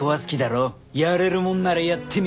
やれるもんならやってみろ！